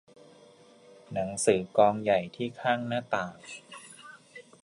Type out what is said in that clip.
หนังสือกองใหญ่ที่ข้างหน้าต่าง